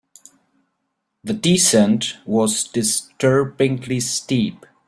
The descent was disturbingly steep.